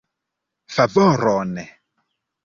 Favoron!